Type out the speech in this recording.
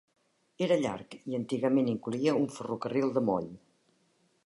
Era llarg i antigament incloïa un ferrocarril de moll.